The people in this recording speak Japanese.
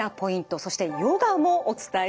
そしてヨガもお伝えしていきます。